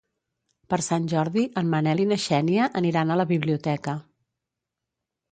Per Sant Jordi en Manel i na Xènia aniran a la biblioteca.